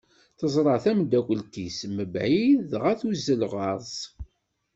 Teẓra tameddakelt-is mebɛid dɣa tuzzel ɣer-s.